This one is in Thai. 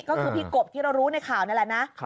ก็คือพี่กบที่เรารู้ในข่าวนี่แหละนะ